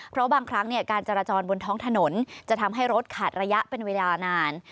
เพราะบางครั้งการจราจรบนท้องถนนจะทำให้รถขาดระยะเป็นเวลานาน